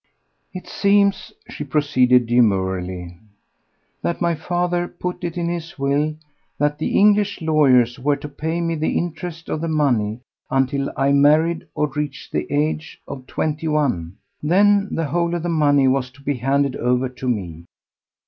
"It seems," she proceeded demurely, "that my father put it in his will that the English lawyers were to pay me the interest on the money until I married or reached the age of twenty one. Then the whole of the money was to be handed over to me."